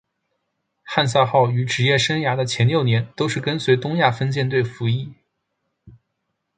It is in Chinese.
汉萨号于职业生涯的前六年都是跟随东亚分舰队服役。